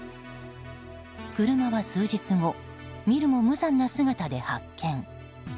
車は数日後見るも無残な姿で発見。